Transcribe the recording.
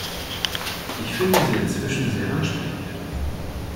Ich finde sie inzwischen sehr ansprechend.